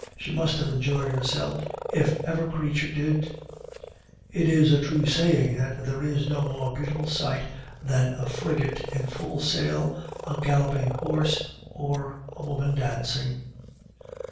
She must have enjoyed herself, if ever creature did! It is a true saying that there is no more beautiful sight than a frigate in full sail, a galloping horse, or a woman dancing."